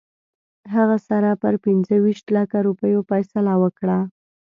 هغه سره پر پنځه ویشت لکه روپیو فیصله وکړه.